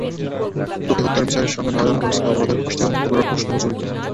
ত্বকী হত্যার বিচারের সঙ্গে নারায়ণগঞ্জকে অপরাধের ফাঁস থেকে মুক্ত করার প্রশ্নও জড়িত।